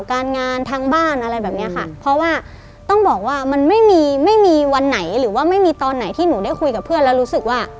การงานทางบ้านอะไรแบบเนี้ยค่ะเพราะว่าต้องบอกว่ามันไม่มีไม่มีวันไหนหรือว่าไม่มีตอนไหนที่หนูได้คุยกับเพื่อนแล้วรู้สึกว่า